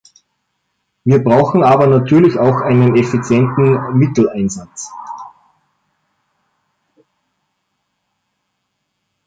Wir brauchen aber natürlich auch einen effizienten Mitteleinsatz.